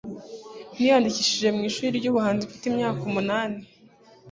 Niyandikishije mu ishuri ryubuhanzi mfite imyaka umunani.